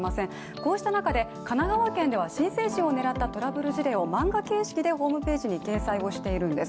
こうした中で、神奈川県では新成人を狙ったトラブル事例を漫画形式でホームページに掲載しているんです。